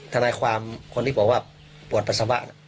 ทนายความคนที่บอกว่าปวดปัสสาวะ